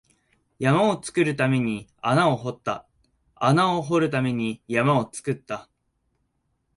山を作るために穴を掘った、穴を掘るために山を作った